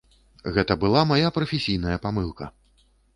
Гэта была мая прафесійная памылка!